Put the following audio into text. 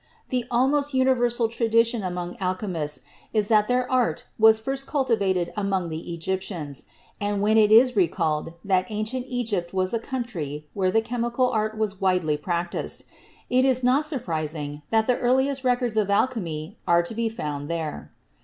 The almost universal tradition among alchemists is that their art was first cultivated among the Egyptians; and when it is recalled that ancient Egypt was a country where the chemical art was widely practiced, it is not surprising that the earliest records of alchemy are to be found there.